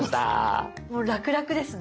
もうラクラクですね。